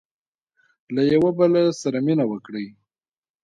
• له یوه بل سره مینه وکړئ.